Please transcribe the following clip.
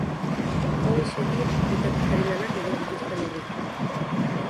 Hauexek dira bitartekari lanak egin dituzten herriak.